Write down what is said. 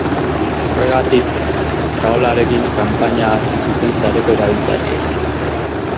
Horregatik traolarekin kanpaina hasi zuten sareko erabiltzaileek.